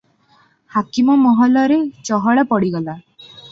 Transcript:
ହାକିମ ମହଲରେ ଚହଳ ପଡିଗଲା ।